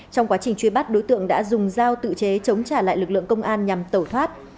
trong quá trình truy bắt đối tượng đã dùng dao tự chế chống trả lại lực lượng công an nhằm tẩu thoát